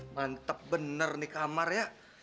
mantap bener nih kamar ya